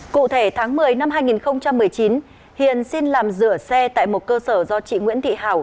cụ thể tháng một mươi năm hai nghìn một mươi chín hiền xin làm rửa xe tại một cơ sở do chị nguyễn thị hảo